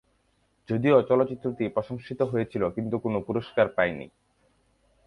যদিও চলচ্চিত্রটি প্রশংসিত হয়েছিল কিন্তু কোনো পুরস্কার পায়নি।